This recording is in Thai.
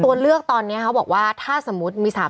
ตัวเลือกตอนนี้เขาบอกว่าถ้าสมมุติมี๓๐